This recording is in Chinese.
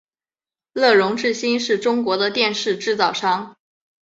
乐融致新是中国的电视制造商。